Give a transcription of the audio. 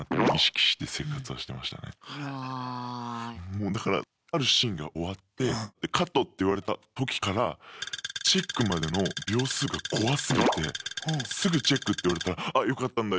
もうだからあるシーンが終わって「カット！」って言われた時からチェックまでの秒数がこわすぎてすぐ「チェック」って言われたら「あよかったんだ。